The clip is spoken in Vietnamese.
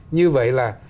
như vậy là